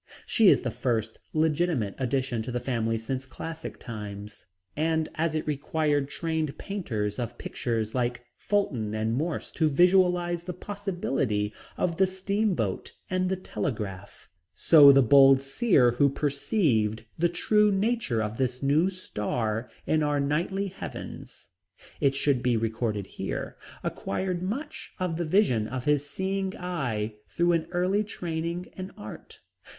She is the first legitimate addition to the family since classic times. And as it required trained painters of pictures like Fulton and Morse to visualize the possibility of the steamboat and the telegraph, so the bold seer who perceived the true nature of this new star in our nightly heavens, it should here be recorded, acquired much of the vision of his seeing eye through an early training in art.